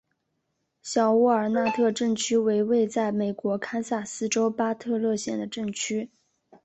小沃尔纳特镇区为位在美国堪萨斯州巴特勒县的镇区。